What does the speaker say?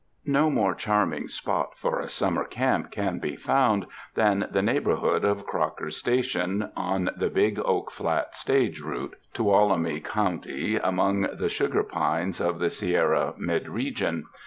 No more cliarming spot for a summer camp can be found than the neighborhood of Crocker's Station on the Big Oak Flat Stage route, Tuolumne County, among the sugar pines of the Sierra mid region.